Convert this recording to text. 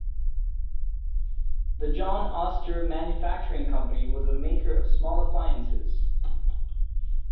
The John Oster Manufacturing Company was a maker of small appliances.